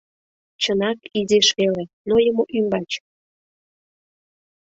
Чынак изиш веле, нойымо ӱмбач...